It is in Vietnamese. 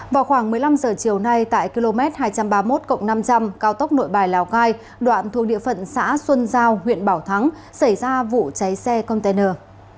vào khoảng một mươi năm h chiều nay tại km hai trăm ba mươi một năm trăm linh cao tốc nội bài lào cai đoạn thuộc địa phận xã xuân giao huyện bảo thắng xảy ra vụ cháy xe container